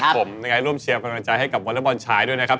ครับผมร่วมเชียร์กำลังใจให้กับวอลเลอร์บอลฉายด้วยนะครับ